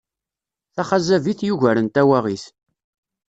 Taxazabit yugaren tawaɣit.